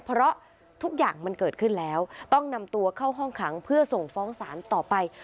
เพราะทุกอย่างมันเกิดขึ้นแล้วต้องนำตัวเข้าห้องขังเพื่อส่งฟ้องศาลต่อไป